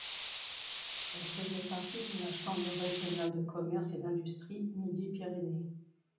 Elle faisait partie de la Chambre régionale de commerce et d'industrie Midi-Pyrénées.